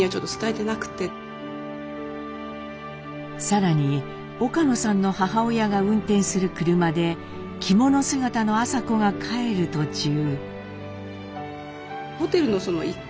更に岡野さんの母親が運転する車で着物姿の麻子が帰る途中。